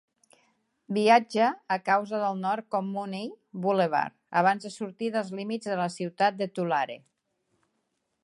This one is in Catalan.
Viatja a causa del Nord com Mooney Boulevard abans de sortir dels límits de la ciutat de Tulare.